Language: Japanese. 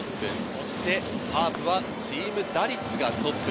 そしてカープはチーム打率がトップ。